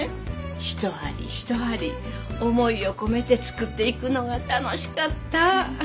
ひと針ひと針思いを込めて作っていくのが楽しかった。